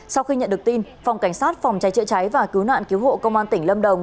sau khi nhận được tin phòng cảnh sát phòng cháy chữa cháy và cứu nạn cứu hộ công an tỉnh lâm đồng